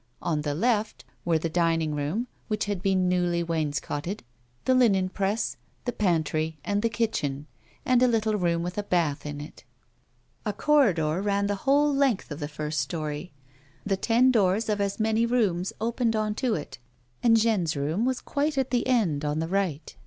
On the left were the dining room, which had been newly wainscotted, the linen press, the pantry, the kitchen, and a little room with a bath in it. A corridor ran the whole length of the first storey, the ten doors of as many rooms opening on to it, and Jeanne's room was quite at the end, on the right.